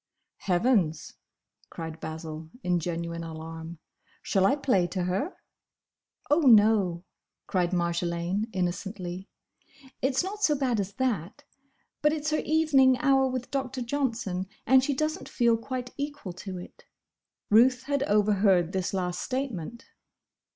"Heavens!" cried Basil in genuine alarm, "Shall I play to her?" "Oh, no!" cried Marjolaine, innocently, "it's not so bad as that. But it's her evening hour with Doctor Johnson, and she does n't feel quite equal to it." Ruth had overheard this last statement.